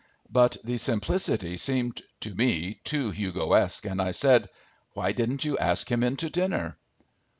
But the simplicity seemed to me too Hugoesque and I said: "Why didn't you ask him in to dinner?"